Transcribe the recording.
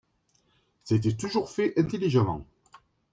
c’était toujours fait intelligemment.